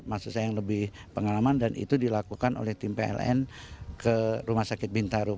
maksud saya yang lebih pengalaman dan itu dilakukan oleh tim pln ke rumah sakit bintaro